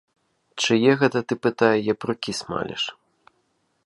Чые гэта ты, пытае, япрукі смаліш?